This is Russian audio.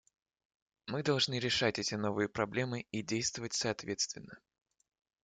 Мы должны решать эти новые проблемы и действовать соответственно.